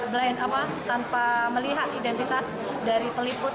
blind apa tanpa melihat identitas dari pemerintah